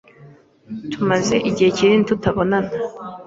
Tumaze igihe kinini tutabonana.